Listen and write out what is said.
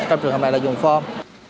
trong trường hợp này là dùng phom